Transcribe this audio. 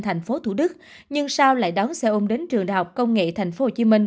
thành phố thủ đức nhưng sao lại đón xe ôm đến trường đạo công nghệ thành phố hồ chí minh